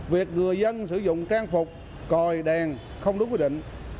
việc người dân sử dụng trang phục còi đèn không đúng quy định